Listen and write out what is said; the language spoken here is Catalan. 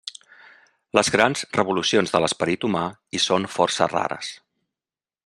Les grans revolucions de l'esperit humà hi són força rares.